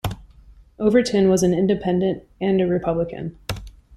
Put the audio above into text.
Overton was an independent and a republican.